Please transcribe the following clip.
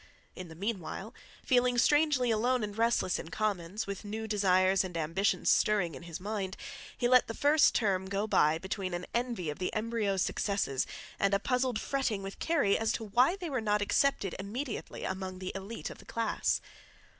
In the meanwhile, feeling strangely alone and restless in Commons, with new desires and ambitions stirring in his mind, he let the first term go by between an envy of the embryo successes and a puzzled fretting with Kerry as to why they were not accepted immediately among the elite of the class.